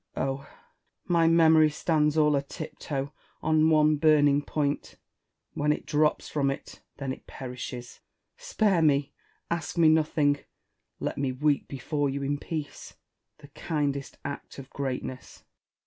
Oh 1 my memory stands all a tip toe on one burning point : Avhen it drops from it, then it perishes. Spare me : ask me nothing ; let me weep before you in peace, — the kindest act of greatness. Essex.